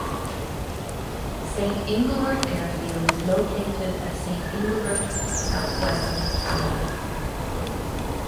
Saint-Inglevert Airfield is located at Saint-Inglevert, south west of Calais.